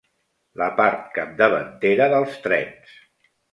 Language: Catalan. La part capdavantera dels trens.